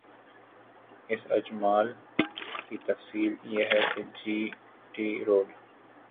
اس اجمال کی تفصیل یہ ہے کہ جی ٹی روڈ